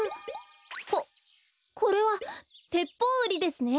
おっこれはテッポウウリですね。